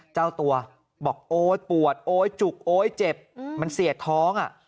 เจ้าตัวบอกโอ๊ยปวดโอ๊ยจุกโอ๊ยเจ็บมันเสียดท้อง